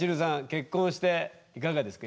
結婚していかがですか？